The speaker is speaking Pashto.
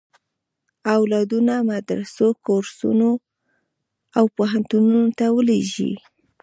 اولادونه مدرسو، کورسونو او پوهنتونونو ته ولېږي.